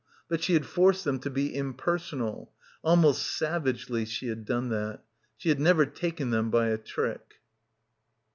But she had forced them to be impersonal. Almost savagely she had done that. She had never taken them by a trick.